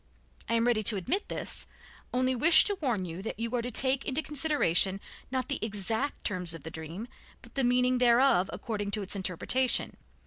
I am ready to admit this, only wish to warn you that you are to take into consideration not the exact terms of the dream, but the meaning thereof according to its interpretation.